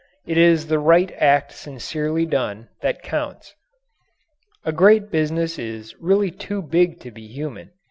It is the right act sincerely done that counts. A great business is really too big to be human.